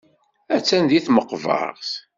Attan deg tmeqbert.